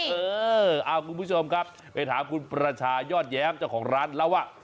เออคุณผู้ชมครับไปถามคุณประชายอดแย้มเจ้าของร้านเล่าว่า